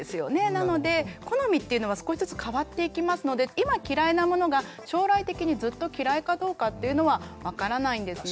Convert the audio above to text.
なので好みっていうのは少しずつ変わっていきますので今嫌いなものが将来的にずっと嫌いかどうかっていうのは分からないんですね。